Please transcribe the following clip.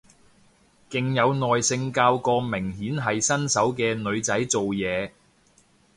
勁有耐性教個明顯係新手嘅女仔做嘢